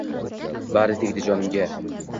Bari tegdi jonimga.